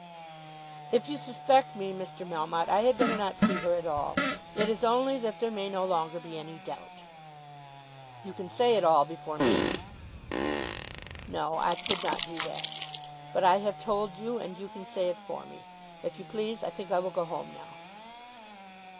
"If you suspect me, Mr. Melmotte, I had better not see her at all. It is only that there may no longer be any doubt." "You can say it all before me." "No; I could not do that. But I have told you, and you can say it for me. If you please, I think I will go home now."